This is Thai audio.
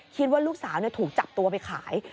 คิดว่าลูกสาวถูกจับตัวไปขาย